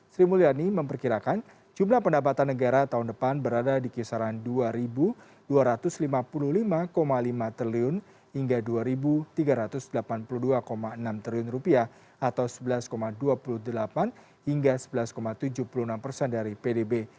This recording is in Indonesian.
sri mulyani memperkirakan jumlah pendapatan negara tahun depan berada di kisaran dua dua ratus lima puluh lima lima triliun hingga rp dua tiga ratus delapan puluh dua enam triliun atau sebelas dua puluh delapan hingga sebelas tujuh puluh enam persen dari pdb